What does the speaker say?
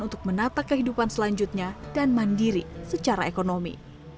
untuk menata kehidupan selanjutnya dan mandiri secara ekonomi